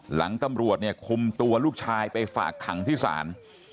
หลังตำรวจเนี่ยคุมตัวลูกชายไปฝากขังที่ศาล